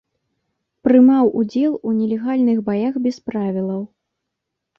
Прымаў удзел у нелегальных баях без правілаў.